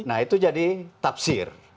nah itu jadi tafsir